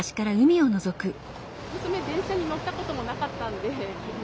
娘電車に乗ったこともなかったんで。